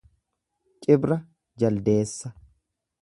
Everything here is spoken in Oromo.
Cibra jaldeessa